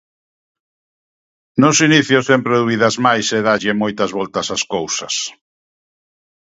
Nos inicios sempre dubidas máis e dáslle moitas voltas ás cousas.